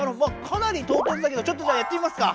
かなりとうとつだけどちょっとじゃやってみますか。